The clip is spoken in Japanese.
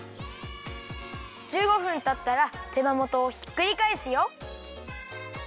１５分たったら手羽元をひっくりかえすよ。